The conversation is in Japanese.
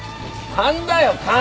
勘だよ勘！